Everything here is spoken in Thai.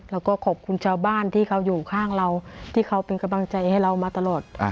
แล้วก็ขอบคุณชาวบ้านที่เขาอยู่ข้างเราที่เขาเป็นกำลังใจให้เรามาตลอด